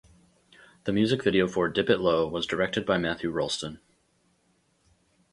The music video for "Dip It Low" was directed by Matthew Rolston.